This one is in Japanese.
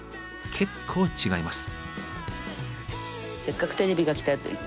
結構違います。